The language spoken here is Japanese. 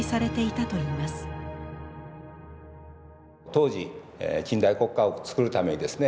当時近代国家を作るためにですね